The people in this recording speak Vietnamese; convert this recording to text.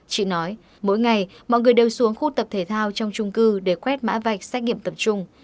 chị nói mỗi ngày mọi người đều xuống khu tập thể thao trong trung cư để quét mã vạch xét nghiệm tập trung